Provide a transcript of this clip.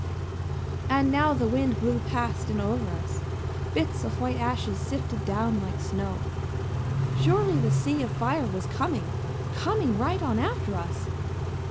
And now the wind blew past and over us. Bits of white ashes sifted down like snow. Surely the sea of fire was coming, coming right on after us!